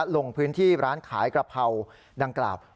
ลงพื้นที่ร้านขายกระเพราดังกล่าว